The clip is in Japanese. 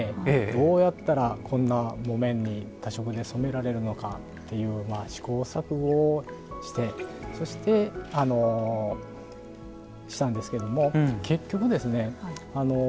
どうやったらこんな木綿に多色で染められるのかっていう試行錯誤をしてそしてしたんですけども結局ですね